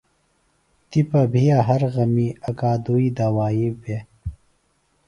تپہ بھیہ ہر غمیۡ اکادئی دوائی بےۡ۔